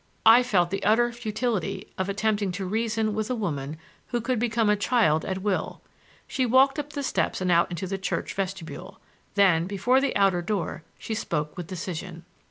I felt the utter futility of attempting to reason with a woman who could become a child at will. She walked up the steps and out into the church vestibule. Then before the outer door she spoke with decision.